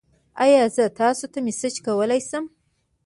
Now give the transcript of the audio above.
ایا زه تاسو ته میسج کولی شم؟